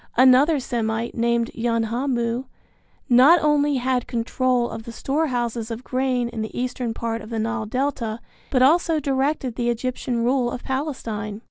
Another Semite named Yanhamu not only had control of the storehouses of grain in the eastern part of the Nile Delta, but also directed the Egyptian rule of Palestine.